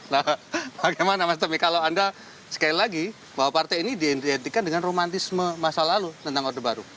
nah bagaimana mas tommy kalau anda sekali lagi bahwa partai ini diidentikan dengan romantisme masa lalu tentang orde baru